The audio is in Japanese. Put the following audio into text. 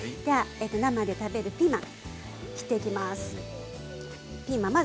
生で食べるピーマン切っていきます。